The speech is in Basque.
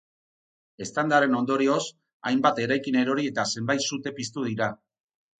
Eztandaren ondorioz, hainbat eraikin erori eta zenbait sute piztu dira.